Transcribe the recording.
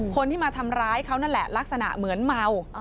คนที่มาทำร้ายเขานั่นแหละลักษณะเหมือนเมา